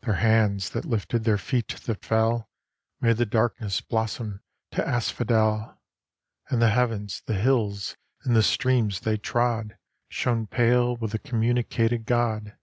Their hands that lifted, their feet that fell, Made the darkness blossom to asphodel. And the heavens, the hills, and the streams they trod Shone pale with th' communicated God.